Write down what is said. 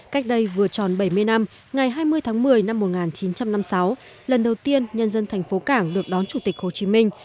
cách đây vừa tròn bảy mươi năm ngày hai mươi tháng một mươi năm một nghìn chín trăm năm mươi sáu lần đầu tiên nhân dân thành phố cảng được đón chủ tịch hồ chí minh